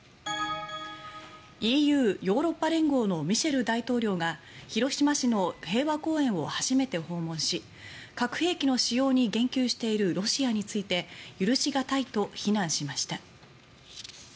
ＥＵ・ヨーロッパ連合のミシェル大統領が広島市の平和公園を初めて訪問し核兵器の使用に言及しているロシアについて許し難いと非難しました。